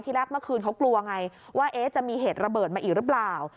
แรกเมื่อคืนเขากลัวไงว่าจะมีเหตุระเบิดมาอีกหรือเปล่า